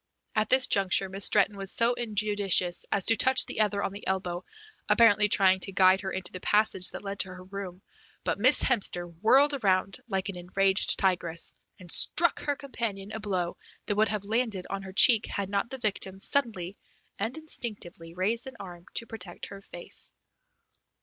At this juncture Miss Stretton was so injudicious as to touch the other on the elbow, apparently trying to guide her into the passage that led to her room, but Miss Hemster whirled around like an enraged tigress, and struck her companion a blow that would have landed on her cheek had not the victim suddenly and instinctively raised an arm to protect her face.